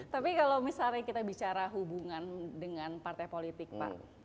tapi kalau misalnya kita bicara hubungan dengan partai politik pak